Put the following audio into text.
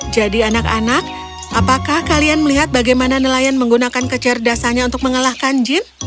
jadi anak anak apakah kalian melihat bagaimana nelayan menggunakan kecerdasannya untuk mengalahkan jin